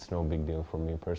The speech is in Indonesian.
kalau kau suka alma behas